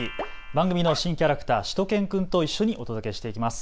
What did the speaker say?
番組の新キャラクター、しゅと犬くんと一緒にお届けしていきます。